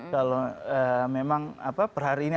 kalau memang apa perhatiannya